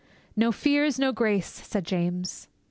_ 'No fears, no grace!' said James.